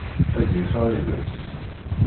Ad yaf aɣilas.